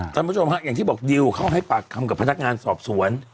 ท่านผู้ชมฮะอย่างที่บอกดิวเข้าให้ปากคำกับพนักงานสอบสวน